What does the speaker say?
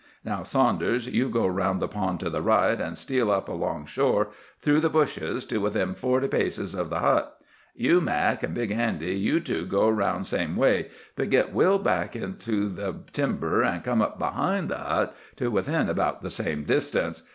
Now, Saunders, you go round the pond to the right and steal up along shore, through the bushes, to within forty paces of the hut. You, Mac, an' Big Andy, you two go round same way, but git well back into the timber, and come up behind the hut to within about the same distance.